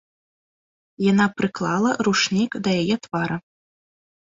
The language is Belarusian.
Яна прыклала ручнік да яе твара.